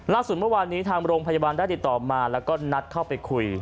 เมื่อวานนี้ทางโรงพยาบาลได้ติดต่อมาแล้วก็นัดเข้าไปคุย